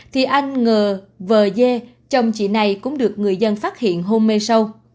thì anh ngờ vờ dê chồng chị này cũng được người dân phát hiện hôn mê sâu